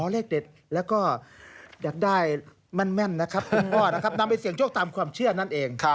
อ๋อเลขเด็ดและก็อยากได้แม่นนะครับนำไปเสี่ยงโชคตามความเชื่อนั่นเอง